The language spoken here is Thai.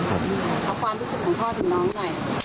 เอาความรู้สึกของพ่อถึงน้องหน่อย